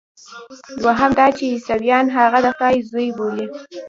دوهم دا چې عیسویان هغه د خدای زوی بولي.